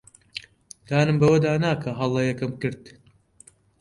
دانم بەوەدا نا کە هەڵەیەکم کرد.